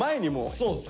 そうです。